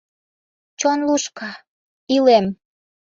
Чон лушка: илем!